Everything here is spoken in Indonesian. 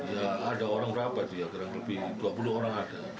ya ada orang rapat ya kurang lebih dua puluh orang ada